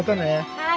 はい。